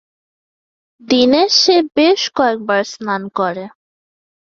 দিনে সে বেশ কয়েকবার স্নান করে।